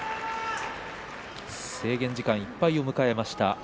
制限時間いっぱいを迎えました。